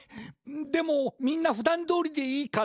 でもみんなふだんどおりでいいから。